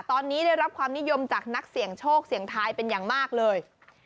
ตอนนี้ได้รับความนิยมจากนักเสี่ยงโชคเสี่ยงทายเป็นอย่างมากเลย